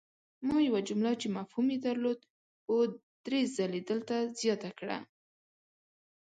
ما یوه جمله چې مفهوم ېې درلود په دري ځلې دلته زیاته کړه!